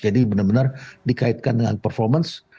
jadi benar benar dikaitkan dengan performance